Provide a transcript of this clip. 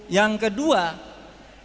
yang kedua tanggung jawab moral